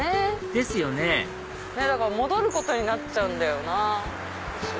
ですよねだから戻ることになっちゃうんだよなぁ。